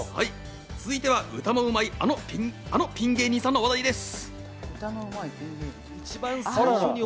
続いては歌のうまいあのピン芸人さんの話題です。